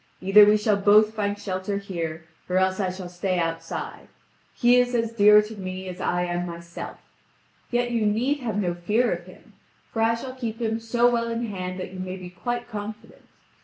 Either we shall both find shelter here or else I shall stay outside; he is as dear to me as I am myself. Yet you need have no fear of him! For I shall keep him so well in hand that you may be quite confident."